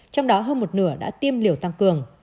trong đó hơn một nửa đã tiêm liều tăng cường